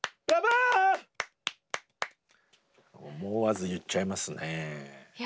思わず言っちゃいますね。